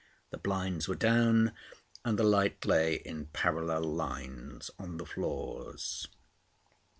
The blinds were down, and the light lay in parallel lines on the floors.